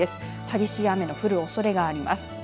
激しい雨の降るおそれがあります。